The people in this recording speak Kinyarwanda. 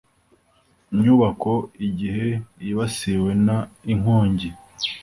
nyubako igihe yibasiwe n inkongi